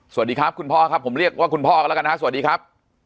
สวัสดีครับคุณพ่อครับผมเรียกว่าคุณพ่อกันแล้วกันนะฮะสวัสดีครับ